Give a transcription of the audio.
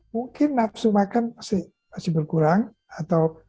mungkin nafsu makan masih berkurang atau